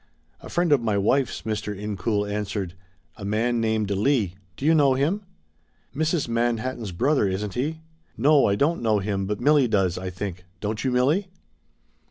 "A friend of my wife's," Mr. Incoul answered. "A man named Leigh do you know him?" "Mrs. Manhattan's brother, isn't he? No, I don't know him, but Milly does, I think. Don't you, Milly?"